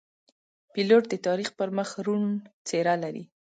پیلوټ د تاریخ پر مخ روڼ څېره لري.